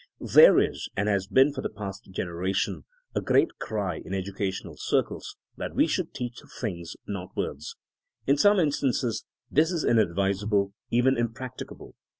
^^... There is, and has been for the past generation, a great cry in educational circles that we should teach things, not words. In some instances this is inadvisable, even impracticable.